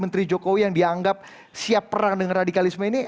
menteri jokowi yang dianggap siap perang dengan radikalisme ini